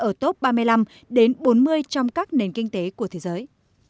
ở top ba mươi năm đến bốn mươi trong các nền kinh tế của thế giới